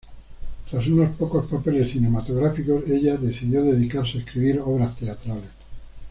Tras unos pocos papeles cinematográficos, ella decidió dedicarse a escribir obras teatrales.